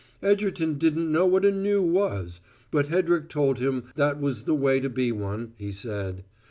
Egerton didn't know what a gnu was, but Hedrick told him that was the way to be one, he said.